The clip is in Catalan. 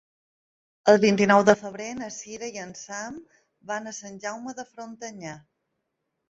El vint-i-nou de febrer na Sira i en Sam van a Sant Jaume de Frontanyà.